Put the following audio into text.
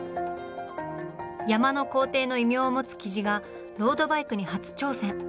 「山の皇帝」の異名を持つ雉がロードバイクに初挑戦。